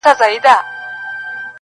o توره به یم خو د مکتب توره تخته یمه زه,